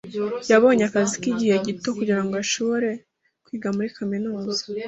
Yabonye akazi k'igihe gito kugira ngo ashobore kwiga muri kaminuza